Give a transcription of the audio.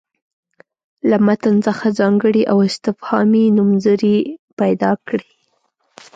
له متن څخه ځانګړي او استفهامي نومځړي پیدا کړي.